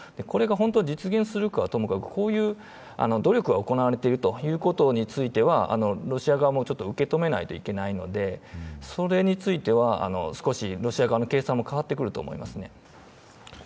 これが本当に実現するかはともかく、こういう努力は行われていることについてはロシア側も受け止めないといけないのでそれについては少しロシア側の計算も変わってくると思います。